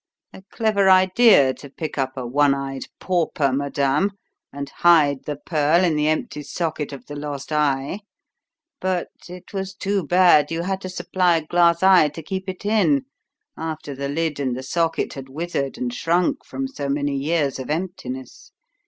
A clever idea to pick up a one eyed pauper, madame, and hide the pearl in the empty socket of the lost eye, but it was too bad, you had to supply a glass eye to keep it in, after the lid and the socket had withered and shrunk from so many years of emptiness.